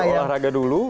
bisa berolahraga dulu